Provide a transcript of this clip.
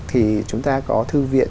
thì chúng ta có thư viện